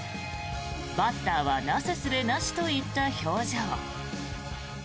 バッターはなすすべなしといった表情。